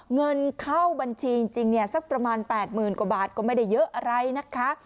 เงินเข้าบัญชีจริงเนี่ยสักประมาณ๘๐๐๐กว่าบาทก็ไม่ได้เยอะอะไรนะคะ